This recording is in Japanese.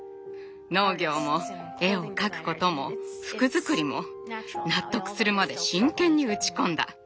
農業も絵を描くことも服作りも納得するまで真剣に打ち込んだ。